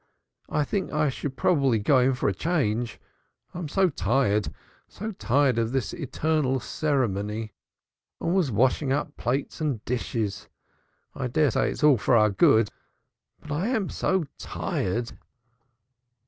I think I should probably go in for a change, I'm so tired so tired of this eternal ceremony. Always washing up plates and dishes. I dare say it's all for our good, but I am so tired."